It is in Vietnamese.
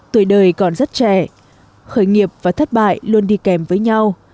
tuổi đời còn rất trẻ khởi nghiệp và thất bại luôn đi kèm với nhau